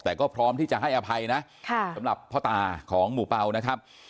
แต่ก็พร้อมที่จะให้อภัยนะสำหรับพ่อตาของหมู่เปล่านะครับ